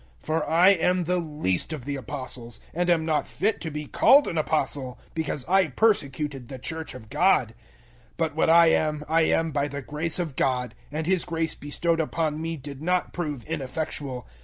015:009 For I am the least of the Apostles, and am not fit to be called an Apostle because I persecuted the Church of God. 015:010 But what I am I am by the grace of God, and His grace bestowed upon me did not prove ineffectual.